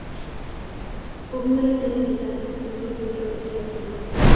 অভিমানে তিনি নিতান্ত স্ফীত হইয়া উঠিয়াছেন।